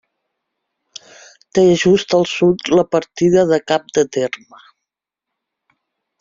Té just al sud la partida de Cap de Terme.